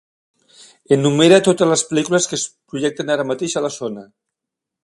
Enumera totes les pel·lícules que es projecten ara mateix a la zona.